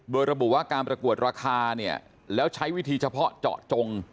โดยระบุว่าการประกวดราคาเนี่ยแล้วใช้วิธีเฉพาะเจาะจง